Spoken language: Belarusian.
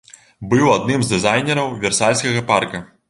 Быў адным з дызайнераў версальскага парка.